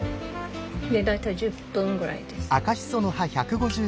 大体１０分ぐらいです。